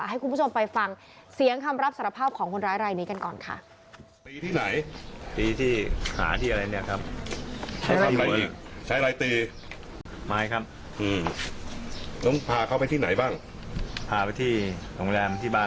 ให้คุณผู้ชมไปฟังเสียงคำรับสารภาพของคนร้ายรายนี้กันก่อนค่ะ